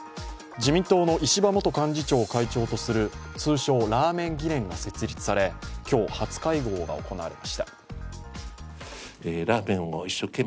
自民党の石破元幹事長を会長とする、通称・ラーメン議連が設立され、今日、初会合が行われました。